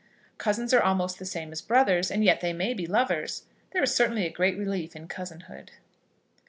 Cousins are almost the same as brothers, and yet they may be lovers. There is certainly a great relief in cousinhood.